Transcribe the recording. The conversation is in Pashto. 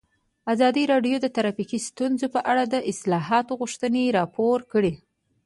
ازادي راډیو د ټرافیکي ستونزې په اړه د اصلاحاتو غوښتنې راپور کړې.